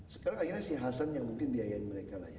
sekarang akhirnya si hasan yang mungkin biayain mereka lah ya